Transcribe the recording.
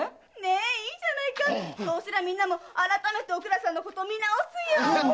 いいじゃないかそうすりゃみんな改めておくらさんを見直すよ。